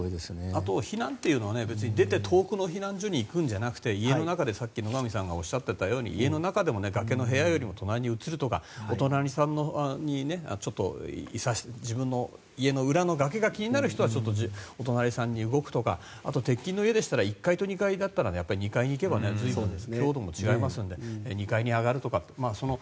あと、避難というのは別に出て遠くの避難所に行くんじゃなくて家の中で、さっき野上さんがおっしゃっていたように家の中でも、崖の部屋よりも隣に移るとかちょっと自分の家の裏の崖が気になる人はお隣さんに動くとかあと鉄筋の家でしたら１階と２階だったら２階に行けば随分、強度も違いますので２階に上がるとかね。